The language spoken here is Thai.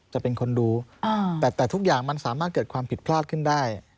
จะเป็นคนดูแต่ทุกอย่างมันสามารถเกิดความผิดพลาดขึ้นได้